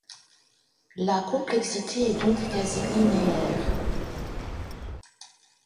La complexité est donc quasi linéaire.